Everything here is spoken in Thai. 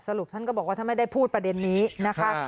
ท่านก็บอกว่าท่านไม่ได้พูดประเด็นนี้นะคะ